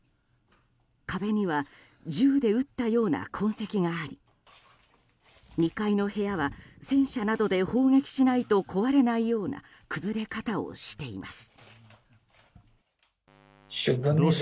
壁には銃で撃ったような痕跡があり２階の部屋は、戦車などで砲撃しないと壊れないような崩れ方をしています。